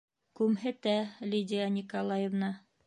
Күмһетә, Лидия Николаевна...